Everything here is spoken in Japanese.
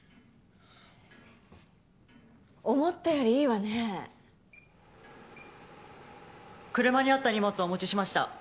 思ったよりいいわね車にあった荷物お持ちしました